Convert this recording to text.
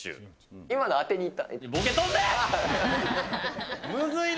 今の当てにいった？